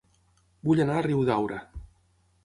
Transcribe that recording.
Vull anar a Riudaura